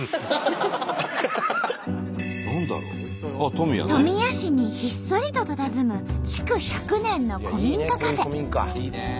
富谷市にひっそりとたたずむ築１００年の古民家カフェ。